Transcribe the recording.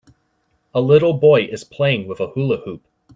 A little boy is playing with a hula hoop.